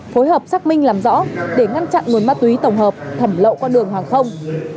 phối hợp xác minh làm rõ để ngăn chặn nguồn ma túy tổng hợp thẩm lậu qua đường hàng không